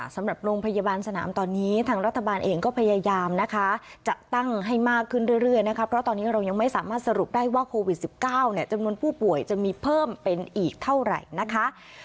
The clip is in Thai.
สำหรับโรงพยาบาลสนามตอนนี้ทางรัฐบาลเองก็พยายามนะคะจะตั้งให้มากขึ้นเรื่อยนะคะเพราะตอนนี้เรายังไม่สามารถสรุปได้ว่าโควิด๑๙จำนวนผู้ป่วยจะมีเพิ่มเป็นอีกเท่าไหร่นะคะ